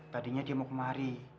tadinya dia mau kemari